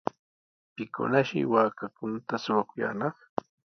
¿Pikunashi waakankunata shuwakuyaanaq?